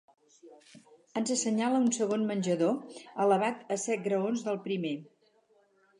Ens assenyala un segon menjador, elevat a set graons del primer.